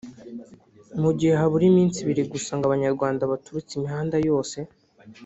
Mugihe habura iminsi ibiri gusa ngo abanyarwanda baturutse imihanda yose